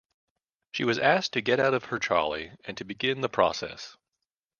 She was asked to get out of her trolley and to begin the process.